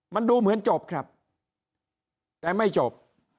มันดูเหมือนจบครับแต่ไม่จบ